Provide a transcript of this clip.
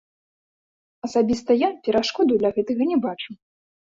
Асабіста я перашкодаў для гэтага не бачу.